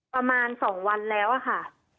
ประมาณ๒วันแล้วอะค่ะ